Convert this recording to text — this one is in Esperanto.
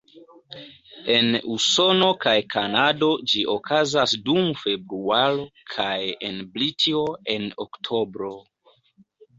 En Usono kaj Kanado ĝi okazas dum februaro, kaj en Britio en oktobro.